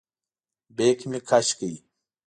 بیک مې کش کړ.